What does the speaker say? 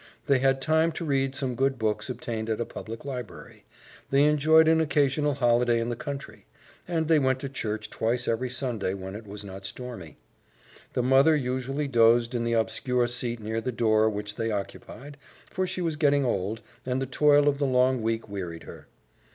They had time to read some good books obtained at a public library; they enjoyed an occasional holiday in the country; and they went to church twice every Sunday when it was not stormy. The mother usually dozed in the obscure seat near the door which they occupied, for she was getting old, and the toil of the long week wearied her.